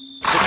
peroleh dia ya